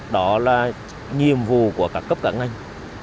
đó là nhiệm vụ của các cấp cả ngành